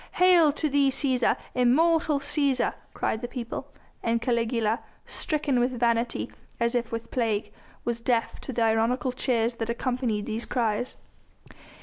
Hail to thee Cæsar! Immortal Cæsar!" cried the people, and Caligula, stricken with vanity as if with plague, was deaf to the ironical cheers that accompanied these cries.